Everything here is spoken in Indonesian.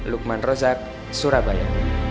lukman rozak surabaya